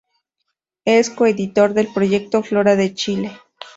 Es coeditor del proyecto "Flora de Chile".